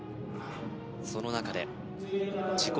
そのなかで自己